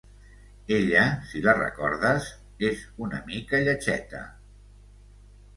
Ella, si la recordes, és una mica lletgeta...